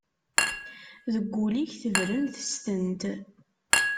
Deg wul-ik tebren testent.